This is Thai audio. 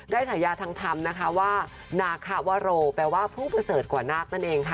ได้สายยาทางทำนะคะว่านาควโรแปลว่าผู้เผื่อเสริฐกว่านาคมนั่นเองค่ะ